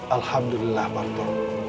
alhamdulillah pak roto